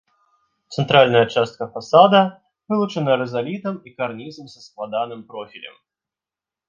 Цэнтральная частка фасада вылучана рызалітам і карнізам са складаным профілем.